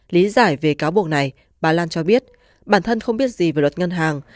lý giải về cáo buộc này bà lan cho biết bản thân không biết gì về luật ngân hàng